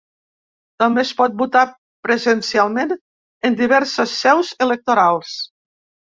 També es pot votar presencialment en diverses seus electorals.